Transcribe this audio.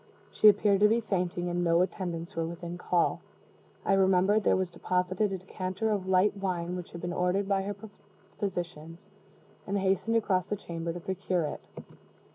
She appeared to be fainting, and no attendants were within call. I remembered where was deposited a decanter of light wine which had been ordered by her physicians, and hastened across the chamber to procure it.